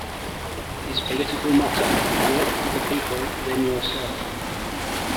His political motto: work for the people, then yourself.